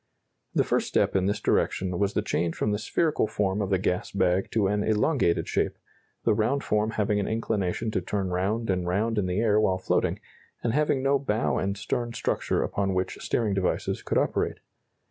The first step in this direction was the change from the spherical form of the gas bag to an elongated shape, the round form having an inclination to turn round and round in the air while floating, and having no bow and stern structure upon which steering devices could operate.